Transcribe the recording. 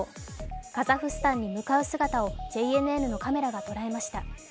カザフスタンに向かう姿をＪＮＮのカメラが捉えました。